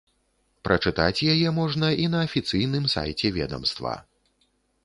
Прачытаць яе можна і на афіцыйным сайце ведамства.